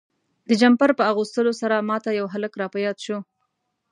د جمپر په اغوستلو سره ما ته یو هلک را په یاد شو.